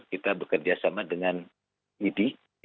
kita bekerja sama dengan idi